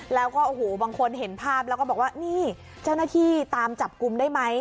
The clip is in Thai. แล้วก็โอ้โหบางคนเห็นภาพแล้วก็บอกว่านี่เจ้าหน้าที่ตามจับกลุ่มได้ไหม